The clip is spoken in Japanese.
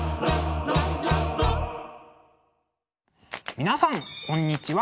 皆さんこんにちは。